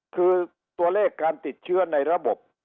คือตัวเลขการติดเชื้อในระบบ